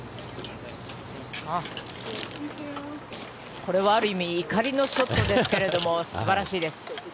これはある意味怒りのショットですけれど素晴らしいです。